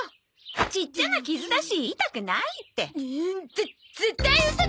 ちっちゃな傷だし痛くないって。ぜ絶対ウソだ！